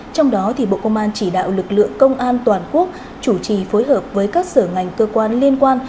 trong đó bộ công an chỉ đạo lực lượng công an toàn quốc chủ trì phối hợp với các sở ngành cơ quan liên quan